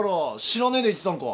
知らねえで言ってたのか。